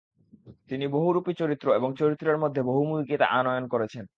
তিনি বহুরূপী চরিত্র এবং চরিত্রের মধ্যে বহুমুখীতা আনয়ন করেছেন।